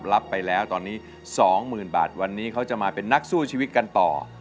รับไปแล้วตอนนี้๒๐๐๐บาทวันนี้เขาจะมาเป็นนักสู้ชีวิตกันต่อ